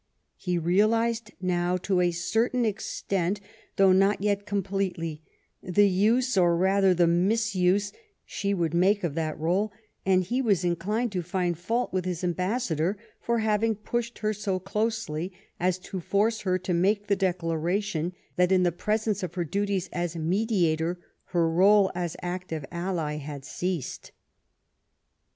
He realised now, to a certain extent, though not yet completely, the use, or rather the misuse, she would make of that role, and he was inclined to find fault with his ambassador for having pushed her so closely as to force her to make the declaration that in the presence of her duties as mediator, Iwr role as active ally had ceased.